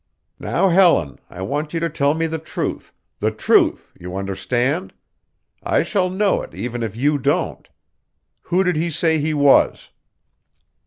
"Now, Helen, I want you to tell me the truth the truth, you understand? I shall know it even if you don't. Who did he say he was?"